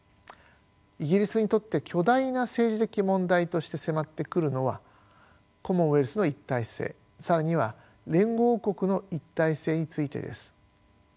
イギリスにとって巨大な政治的問題として迫ってくるのはコモンウェルスの一体性更には連合王国の一体性についてです。